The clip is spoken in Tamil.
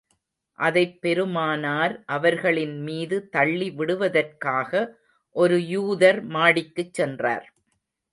அதைப் பெருமானார் அவர்களின் மீது தள்ளி விடுவதற்காக, ஒரு யூதர் மாடிக்குச் சென்றார்.